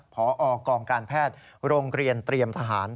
พอกองการแพทย์โรงเรียนเตรียมทหาร